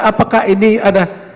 apakah ini ada